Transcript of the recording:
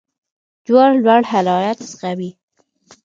جوار لوړ حرارت زغمي.